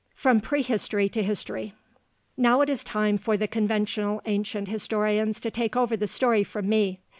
FROM PREHISTORY TO HISTORY Now it is time for the conventional ancient historians to take over the story from me.